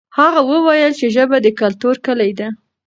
هغه وویل چې ژبه د کلتور کلي ده.